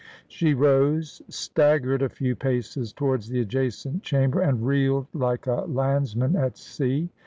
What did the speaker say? She rose, staggered a few paces towards the adjacent cham ber, and reeled like a landsman at sea.